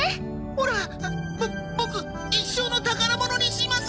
ボボク一生の宝物にします！